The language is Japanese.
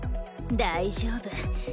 大丈夫。